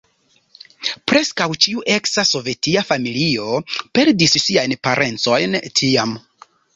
Preskaŭ ĉiu eksa sovetia familio perdis siajn parencojn tiam.